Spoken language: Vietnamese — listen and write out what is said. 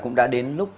cũng đã đến lúc